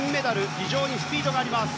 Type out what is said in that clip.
非常にスピードがあります。